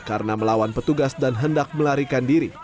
karena melawan petugas dan hendak melarikan diri